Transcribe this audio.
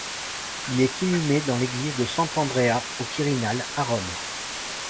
Il est inhumé dans l'église de Sant’Andrea au Quirinal à Rome.